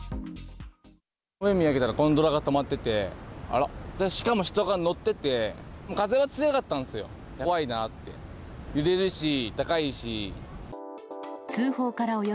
上見上げたら、ゴンドラが止まってて、あら、しかも人が乗ってて、風が強かったんですよ。